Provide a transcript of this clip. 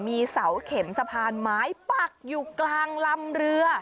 มีเสาเข็มสะพานไม้ปักอยู่กลางลำเรือ